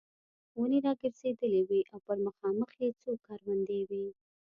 ونې را ګرځېدلې وې او پر مخامخ یې څو کروندې وې.